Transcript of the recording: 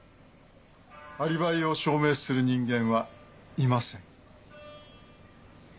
アリバイを証明する人間はいません。